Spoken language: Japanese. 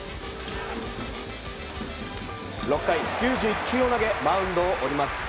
６回９１球を投げマウンドを降ります。